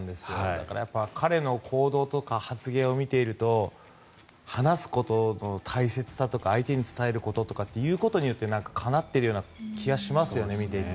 だから彼の行動とか発言を見ていると話すことの大切さとか相手に伝えることとか言うことによってかなっているような気がしますよね、見ていて。